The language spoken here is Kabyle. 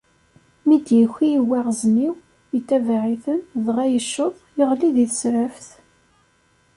Mi d-yuki uwaɣezniw, itabaɛ-iten, dɣa yecceḍ, yeɣli di tesraft.